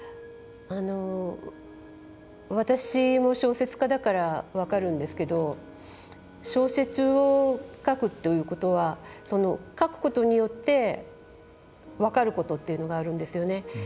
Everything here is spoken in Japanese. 私も小説家だから分かるんですけど小説を書くということは書くことによって分かることというのがあるんですよね。